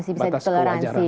masih bisa ditoleransi